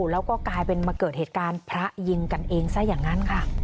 แล้วก็กลายเป็นมาเกิดเหตุการณ์พระยิงกันเองซะอย่างนั้นค่ะ